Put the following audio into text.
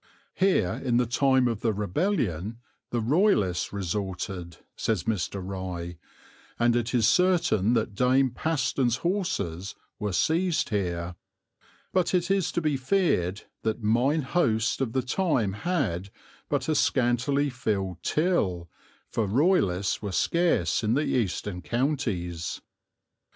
Here, in the time of the rebellion, the Royalists resorted, says Mr. Rye, and it is certain that Dame Paston's horses were seized here; but it is to be feared that mine host of the time had but a scantily filled till, for Royalists were scarce in the eastern counties.